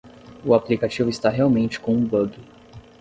O aplicativo está realmente com um bug.